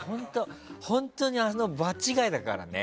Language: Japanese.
本当にあの場違いだからね。